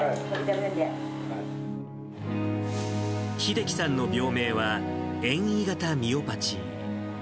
秀樹さんの病名は遠位型ミオパチー。